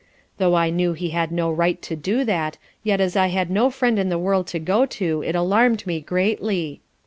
Though I knew he had no right to do that, yet as I had no friend in the world to go to, it alarm'd me greatly.